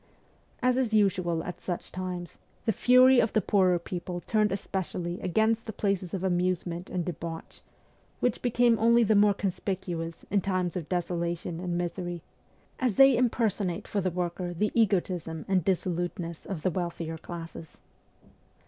As is usual at such times, the fury of the poorer people turned especially against the places of amusement and debauch, which become only the more conspicuous in times of desola tion and misery, as they impersonate for the worker the egotism and dissoluteness of the wealthier classes.